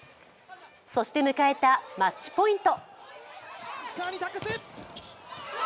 そして迎えたマッチポイント。